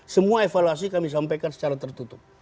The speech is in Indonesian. semua evaluasi kami sampaikan secara tertutup